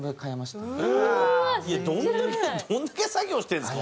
いやどんだけどんだけ作業してるんですか？